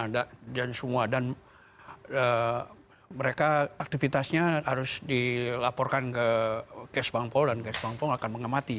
dan semua dan mereka aktivitasnya harus dilaporkan ke cash bank paul dan cash bank paul akan mengamati